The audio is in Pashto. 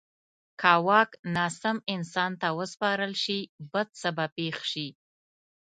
که واک ناسم انسان ته وسپارل شي، بد څه به پېښ شي.